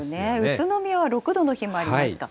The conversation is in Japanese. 宇都宮は６度の日もありますか。